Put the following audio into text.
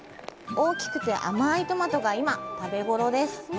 大きくて甘いトマトが今食べ頃です！